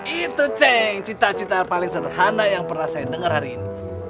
itu ceng cita cita paling sederhana yang pernah saya dengar hari ini